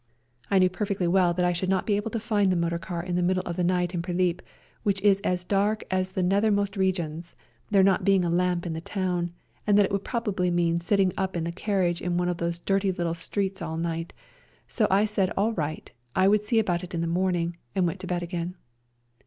I knew perfectly well that A SERBIAN AMBULANCE 29 I should not be able to find the motor car in the middle of the night in Prilip, which is as dark as the nethermost regions, there not being a lamp in the town, and that it would probably mean sitting up in the carriage in one of those dirty little streets all night ; so I said all right, I would see about it in the morning, and went to bed again.